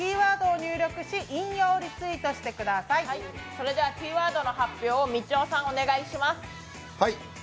それではキーワードの発表をみちおさん、お願いします。